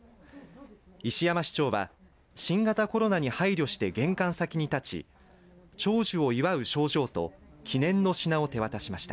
石山市長は新型コロナに配慮して玄関先に立ち長寿を祝う賞状と記念の品を手渡しました。